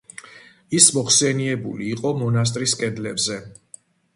ის მოხსენიებული იყო მონასტრის კედლებზე.